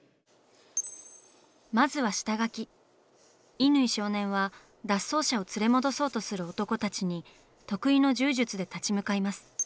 乾少年は脱走者を連れ戻そうとする男たちに得意の柔術で立ち向かいます。